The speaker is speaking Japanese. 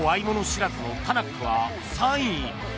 知らずのタナックは３位。